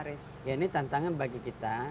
ini tantangan bagi kita